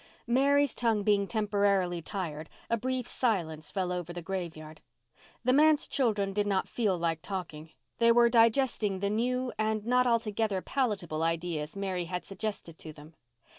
Mary's tongue being temporarily tired, a brief silence fell over the graveyard. The manse children did not feel like talking. They were digesting the new and not altogether palatable ideas Mary had suggested to them.